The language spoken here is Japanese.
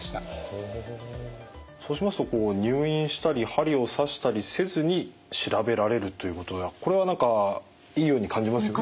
ほうそうしますと入院したり針を刺したりせずに調べられるということではこれは何かいいように感じますよね。